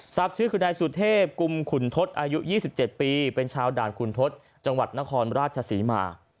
ชื่อคือนายสุเทพกุมขุนทศอายุ๒๗ปีเป็นชาวด่านขุนทศจังหวัดนครราชศรีมา